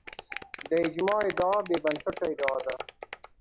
د اجماع ادعا بې بنسټه ادعا ده